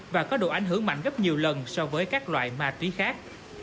và có độ ảnh hưởng mạnh gấp nhiều lần so với các loại ma túy khác